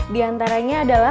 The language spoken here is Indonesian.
di antaranya ada